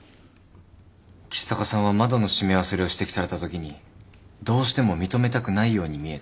橘高さんは窓の閉め忘れを指摘されたときにどうしても認めたくないように見えた。